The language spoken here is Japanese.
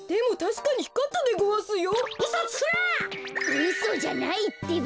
うそじゃないってば。